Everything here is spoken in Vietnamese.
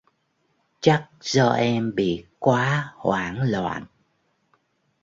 chắc do em bị quá hoảng loạn